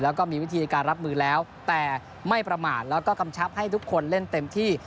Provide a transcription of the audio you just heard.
แล้วก็มีวิธีในการรับมือแล้วแต่ไม่ประมาทแล้วก็กำชับให้ทุกคนเล่นเต็มที่